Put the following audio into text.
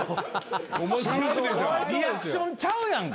リアクションちゃうやんか